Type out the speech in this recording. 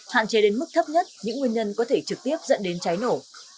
hạn chế đến mức thấp nhất những nguyên nhân có thể trực tiếp dẫn đến cháy nổ